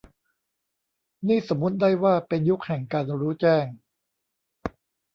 นี่สมมติได้ว่าเป็นยุคแห่งการรู้แจ้ง